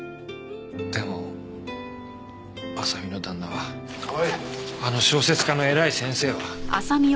でも麻未の旦那はあの小説家の偉い先生は。